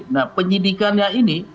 nah penyidikannya ini